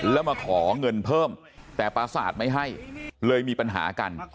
แล้วมาขอเงินเพิ่มแต่ประสาทไม่ให้เลยมีปัญหากัน